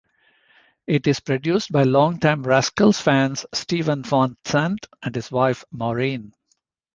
It is produced by long-time Rascals' fans Steven Van Zandt and his wife Maureen.